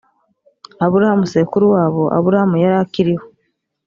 aburahamu sekuru wabo aburahamu yari akiriho